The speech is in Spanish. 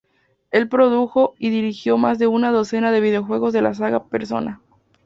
Él produjo y dirigió más de una docena de videojuegos de la saga "Persona".